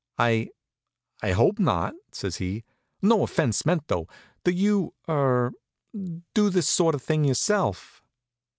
"I I hope not," says he. "No offence meant, though. Do you er do this sort of thing yourself?"